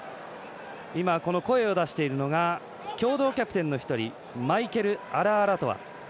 声を出しているのが共同キャプテンの一人マイケル・アラアラトア。